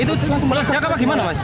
itu langsung meledak apa gimana mas